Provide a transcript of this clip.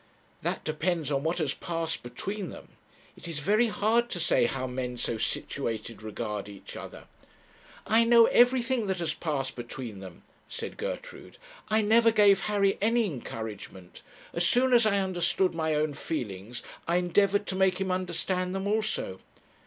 'That depends on what has passed between them. It is very hard to say how men so situated regard each other.' 'I know everything that has passed between them,' said Gertrude. 'I never gave Harry any encouragement. As soon as I understood my own feelings I endeavoured to make him understand them also.'